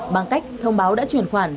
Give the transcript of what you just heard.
bằng cách thông báo đã chuyển khoản